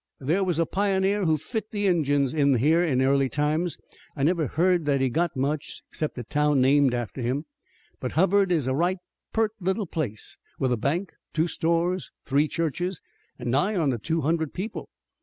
There was a pioneer who fit the Injuns in here in early times. I never heard that he got much, 'cept a town named after him. But Hubbard is a right peart little place, with a bank, two stores, three churches, an' nigh on to two hundred people.